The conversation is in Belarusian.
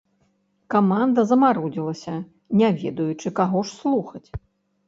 Каманда замарудзілася, не ведаючы, каго ж слухаць.